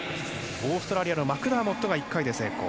オーストラリアのマクダーモットが１回で成功。